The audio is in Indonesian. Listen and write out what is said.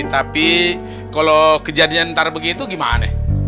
tapi kalau kejadian ntar begitu gimana